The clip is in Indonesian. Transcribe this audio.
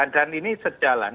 dan ini sejalan